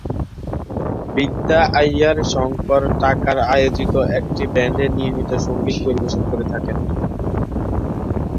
বিদ্যা আইয়ার শঙ্কর টাকার আয়োজিত একটি ব্যান্ডে নিয়মিত সঙ্গীত পরিবেশন করে থাকেন।